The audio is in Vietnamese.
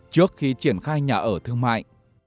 trước khi triển khai nhà ở thương mại